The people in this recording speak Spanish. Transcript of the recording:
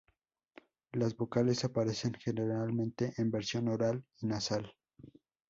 Las vocales aparecen generalmente en versión oral y nasal.